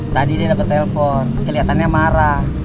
tadi dia dapet telepon keliatannya marah